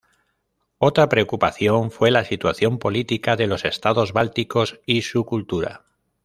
Otra preocupación fue la situación política de los estados bálticos y su cultura.